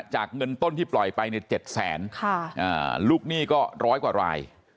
จากเงินต้นที่ปล่อยไปในเจ็ดแสนค่ะอ่าลูกหนี้ก็ร้อยกว่าราย